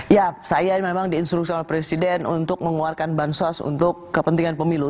ya saya memang diinstruksi oleh presiden untuk mengeluarkan bansos untuk kepentingan pemilu